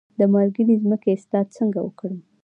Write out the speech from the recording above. د مالګینې ځمکې اصلاح څنګه وکړم؟